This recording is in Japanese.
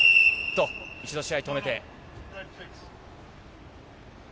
一度試合を止めて。